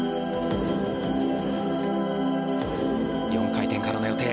４回転からの予定。